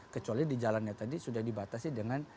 kecuali di jalannya tadi sudah dibatasi dengan